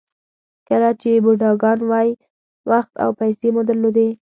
کله چې بوډاګان وئ وخت او پیسې مو درلودې.